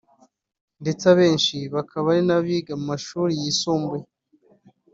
ndetse abenshi bakaba ari abiga mu mashuri yisumbuye